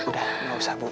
udah gak usah bu